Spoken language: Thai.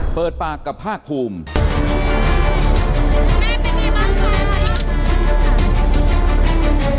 เปิดปากกับภาคภูมิ